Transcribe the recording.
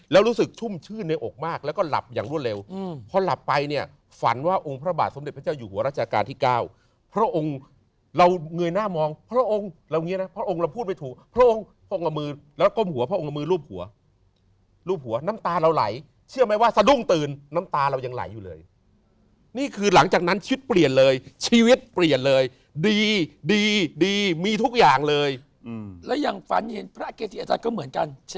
แล้วเขาก็เลยไปทำงานแล้วก็อยู่ที่นั่นแล้วก็อยู่ที่นั่นยาวยาวนาน